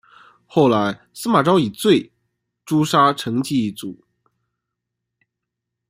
后来司马昭以罪诛杀成济一族。